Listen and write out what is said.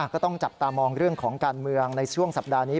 ก็ต้องจับตามองเรื่องของการเมืองในช่วงสัปดาห์นี้